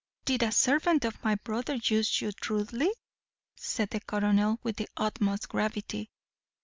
"Did a servant of my brother use you rudely?" said the colonel, with the utmost gravity.